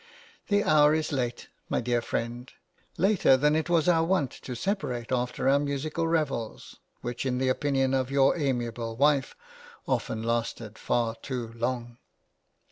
The hour is late, my dear friend, later than it was our wont to separate after our musical revels, which, in the opinion of your amiable wife, often lasted far too long.